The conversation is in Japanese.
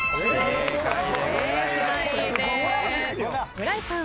村井さん。